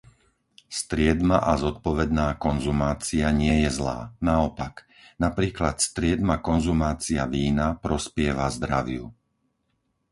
Striedma a zodpovedná konzumácia nie je zlá, naopak, napríklad striedma konzumácia vína prospieva zdraviu.